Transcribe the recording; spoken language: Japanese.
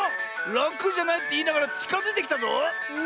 「ラクじゃない」っていいながらちかづいてきたぞ！